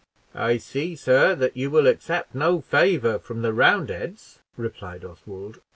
"I see, sir, that you will accept no favor from the Roundheads," replied Oswald.